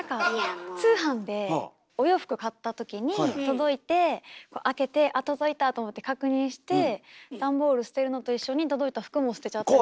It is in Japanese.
通販でお洋服買ったときに届いて開けて「あ届いた」と思って確認して段ボール捨てるのと一緒に届いた服も捨てちゃったり。